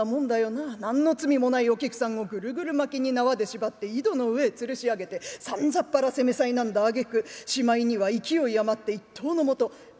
何の罪もないお菊さんをぐるぐる巻きに縄で縛って井戸の上へつるし上げてさんざっぱら責めさいなんだあげくしまいには勢い余って一刀のもとえいっ。